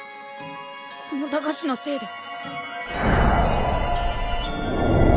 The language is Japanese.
この駄菓子のせいだ！